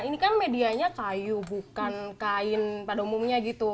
ini kan medianya kayu bukan kain pada umumnya gitu